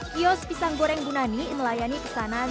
kios pisang goreng yunani melayani kesanan